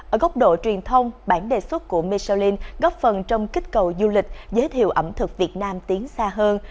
ở góc độ truyền thông bản đề xuất của metrolin góp phần trong kích cầu du lịch giới thiệu ẩm thực việt nam tiến xa hơn